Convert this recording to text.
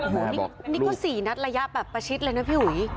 นี่ก็สี่นัดระยะประชิดเลยนะพี่หุย